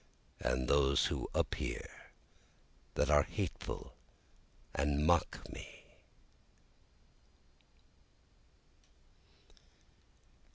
And those appear that are hateful to me and mock me.